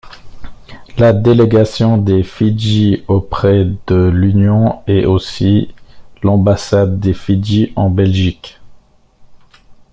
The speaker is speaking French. La délégation des Fidji auprès de l'Union est aussi l'ambassade des Fidji en Belgique.